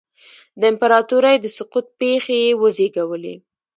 د امپراتورۍ د سقوط پېښې یې وزېږولې